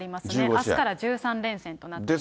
あすから１３連戦となっています。